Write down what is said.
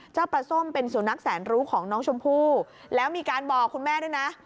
เจ้าปลาส้มเป็นสุนัขแสนรู้ของน้องชมพู่แล้วมีการบอกคุณแม่ด้วยนะ